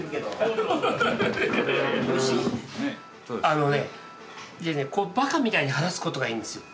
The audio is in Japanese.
あのねこうばかみたいに話すことがいいんですよ。